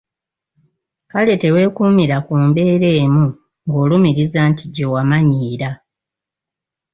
Kale teweekuumira ku mbeera emu ng'olumiriza nti gye wamanyiira.